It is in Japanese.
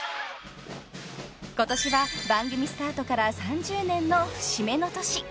［今年は番組スタートから３０年の節目の年］